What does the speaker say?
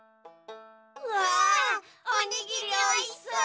うわおにぎりおいしそう！